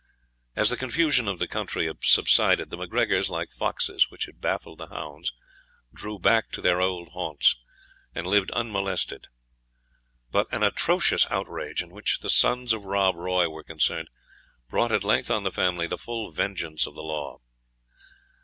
As the confusion of the country subsided, the MacGregors, like foxes which had baffled the hounds, drew back to their old haunts, and lived unmolested. But an atrocious outrage, in which the sons of Rob Roy were concerned, brought at length on the family the full vengeance of the law.